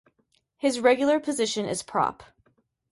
His regular position is prop.